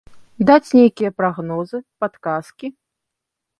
Даць нейкія прагнозы, падказкі?